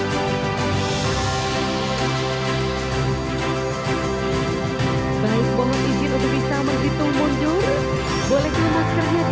sebagai informasi tambahan bahwa